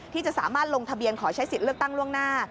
ที่จะสามารถลงทะเบียนขอใช้สิทธิ์เลือกตั้งล่วงหน้า